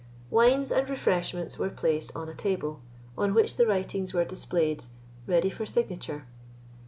Wines and refreshments were placed on a table, on which the writings were displayed, ready for signature.